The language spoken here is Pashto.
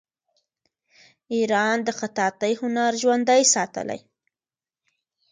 ایران د خطاطۍ هنر ژوندی ساتلی.